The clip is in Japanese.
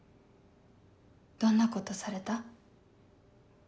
どんなことされた？